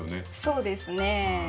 そうですね。